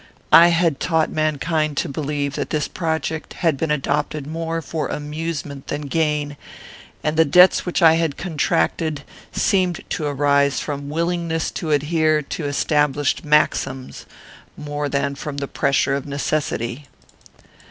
I had taught mankind to believe that this project had been adopted more for amusement than gain; and the debts which I had contracted seemed to arise from willingness to adhere to established maxims, more than from the pressure of necessity.